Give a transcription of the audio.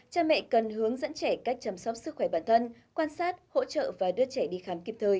cha mẹ cần hướng dẫn trẻ cách chăm sóc sức khỏe bản thân quan sát hỗ trợ và đưa trẻ đi khám kịp thời